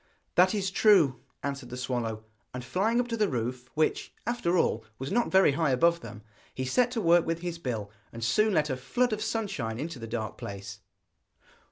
'That is true,' answered the swallow. And flying up to the roof, which, after all, was not very high above them he set to work with his bill, and soon let a flood of sunshine into the dark place.